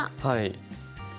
はい。